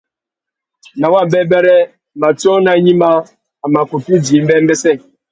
Nà wabêbêrê, matiō mà gnïmá, a mà kutu djï mbêmbêssê.